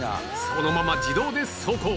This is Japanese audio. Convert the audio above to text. このまま自動で走行